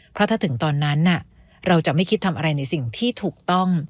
เพราะถ้าถึงตอนนั้นเราจะไม่คิดทำอะไรในสิ่งที่ถูกต้อง